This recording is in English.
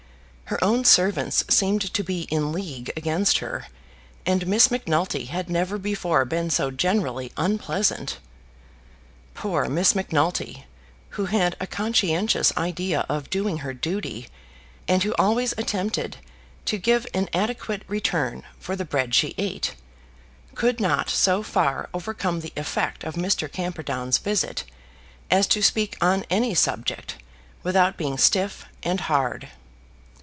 Her own servants seemed to be in league against her, and Miss Macnulty had never before been so generally unpleasant. Poor Miss Macnulty, who had a conscientious idea of doing her duty, and who always attempted to give an adequate return for the bread she ate, could not so far overcome the effect of Mr. Camperdown's visit as to speak on any subject without being stiff and hard.